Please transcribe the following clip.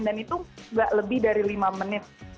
dan itu nggak lebih dari lima menit